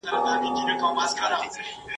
شمع ده چي مړه سي رڼا نه لري ..